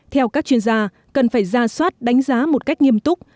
theo các chuyên gia cần phải ra soát đánh giá một cách nghiêm túc